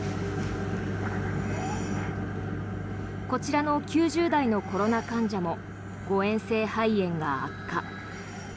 こちらの９０代のコロナ患者も誤嚥性肺炎が悪化。